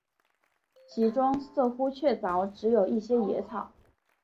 其中似乎确凿只有一些野草